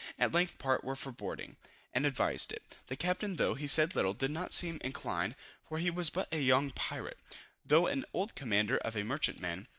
At length part were for boarding, and advised it. The captain though he said little, did not seem inclined, for he was but a young pirate, though an old commander of a merchantman.